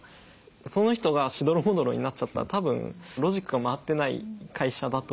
その人がしどろもどろになっちゃったら多分ロジックが回ってない会社だと思うんですよ。